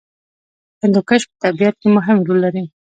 هندوکش په طبیعت کې مهم رول لري.